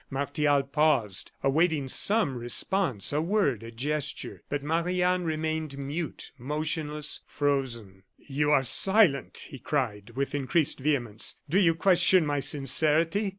Martial paused, awaiting some response a word, a gesture. But Marie Anne remained mute, motionless, frozen. "You are silent," he cried, with increased vehemence. "Do you question my sincerity?